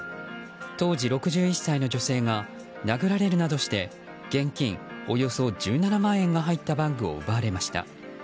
当時６１歳の女性が殴られるなどして現金およそ１７万円が入ったバッグを奪われました。